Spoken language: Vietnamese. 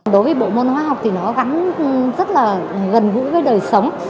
đối với bộ môn hóa học thì nó gắn rất là gần gũi với đời sống